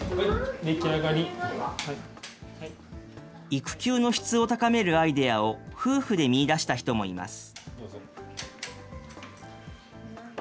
育休の質を高めるアイデアを夫婦で見いだした人もいます。